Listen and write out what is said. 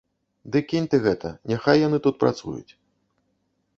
Ды кінь ты гэта, няхай яны тут працуюць.